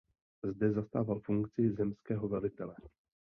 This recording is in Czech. Zde zastával funkci zemského velitele.